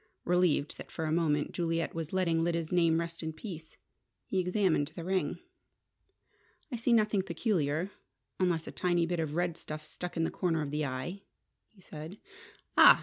Relieved that, for a moment, Juliet was letting Lyda's name rest in peace, he examined the ring. "I see nothing peculiar, unless a tiny bit of red stuff stuck in the corner of the eye," he said. "Ah!"